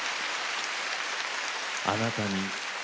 「あなたに」